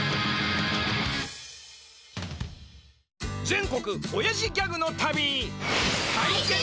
全国おやじギャグの旅！